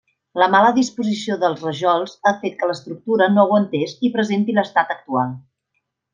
La mala disposició dels rajols ha fet que l'estructura no aguantés i presenti l'estat actual.